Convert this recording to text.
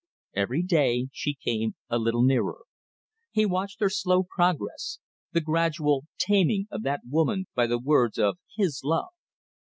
Every day she came a little nearer. He watched her slow progress the gradual taming of that woman by the words of his love.